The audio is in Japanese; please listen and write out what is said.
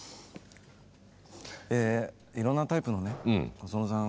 えいろんなタイプのね細野さん